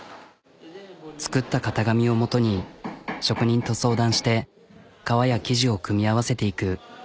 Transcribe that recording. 作った型紙を基に職人と相談して革や生地を組み合わせていく。